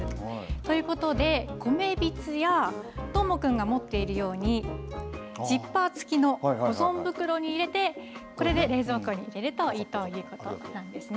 ということで米びつやどーもくんが持っているようにジッパー付きの保存袋に入れてこれで冷蔵庫に入れるといいということなんですね。